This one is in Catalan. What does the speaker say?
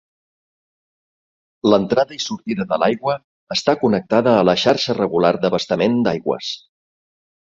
L'entrada i sortida de l'aigua està connectada a la xarxa regular d'abastament d'aigües.